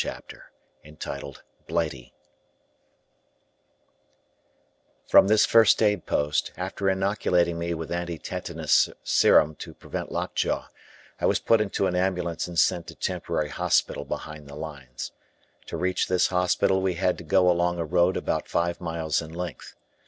CHAPTER XXVII BLIGHTY From this first aid post, after inoculating me with anti tetanus serum to prevent lockjaw, I was put into an ambulance and sent to temporary hospital behind the lines. To reach this hospital we had to go along a road about five miles in length.